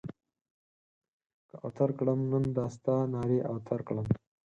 که اوتر کړم؛ نن دا ستا نارې اوتر کړم.